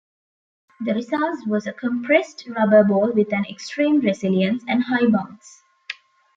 The result was a compressed rubber ball with an extreme resilience and high bounce.